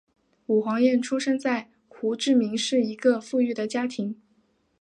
武黄燕出生在胡志明市一个富裕的家庭。